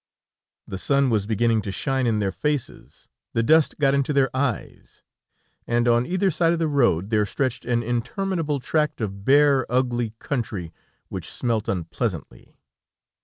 The sun was beginning to shine in their faces, the dust got into their eyes, and on either side of the road there stretched an interminable tract of bare, ugly country which smelt unpleasantly.